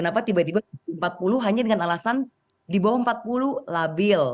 kenapa tiba tiba empat puluh hanya dengan alasan di bawah empat puluh labil